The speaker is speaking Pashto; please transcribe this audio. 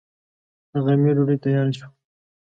د غرمې ډوډۍ تياره شوه.